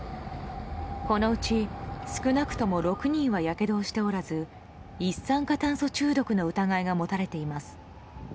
このうち少なくとも６人はやけどをしておらず一酸化炭素中毒の疑いが持たれています。